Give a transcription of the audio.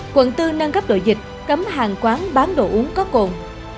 quận bốn nâng cấp đội dịch cấm hàng quán bán đồ uống có cồn